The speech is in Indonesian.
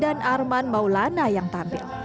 dan juga di jerman maulana yang tampil